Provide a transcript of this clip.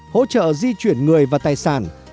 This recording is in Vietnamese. hỗ trợ di chuyển người và tài sản